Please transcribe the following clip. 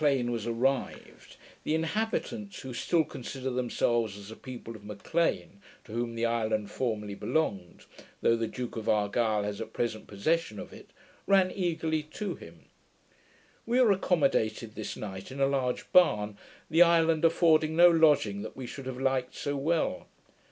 ] Upon hearing that Sir Allan M'Lean was arrived, the inhabitants, who still consider themselves as the people of M'Lean, to whom the island formerly belonged, though the Duke of Argyle has at present possession of it, ran eagerly to him. We were accommodated this night in a large barn, the island affording no lodging that we should have liked so well.